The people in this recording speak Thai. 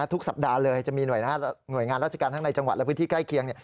ทุกสัปดาห์เลยจะมีหน่วยงานราชการทั้งในจังหวัดและพื้นที่ใกล้เคียง